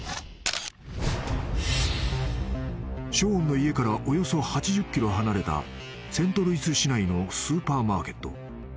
［ショーンの家からおよそ８０ｋｍ離れたセントルイス市内のスーパーマーケット］